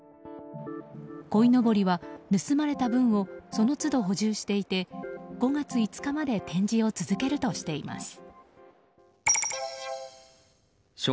こいのぼりは盗まれた分をその都度、補充していて５月５日まで展示を続けるとしています。